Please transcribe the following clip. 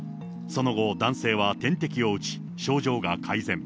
その後、男性は点滴を打ち、症状が改善。